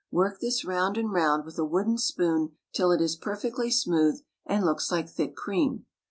Work this round and round with a wooden spoon till it is perfectly smooth and looks like thick cream.